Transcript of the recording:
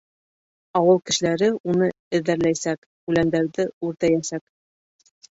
Ауыл кешеләре уны эҙәрләйәсәк, үләндәрҙе үртәйәсәк.